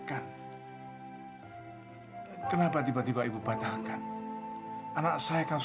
kenapa masih muda aja sih ibu